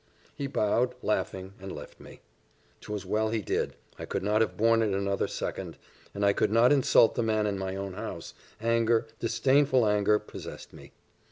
He bowed, laughing, and left me. 'Twas well he did; I could not have borne it another second, and I could not insult the man in my own house anger, disdainful anger, possessed me.